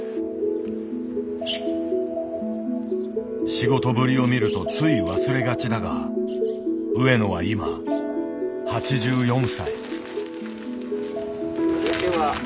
仕事ぶりを見るとつい忘れがちだが上野は今８４歳。